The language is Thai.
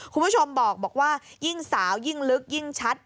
คุณผู้ชมบอกว่ายิ่งสาวยิ่งลึกยิ่งชัด